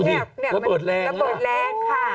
ระเบิดแรง